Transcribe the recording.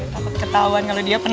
takut ketahuan kalo dia penang